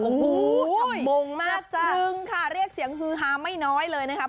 โอ้โหชอบมงมากจังค่ะเรียกเสียงฮือฮาไม่น้อยเลยนะคะ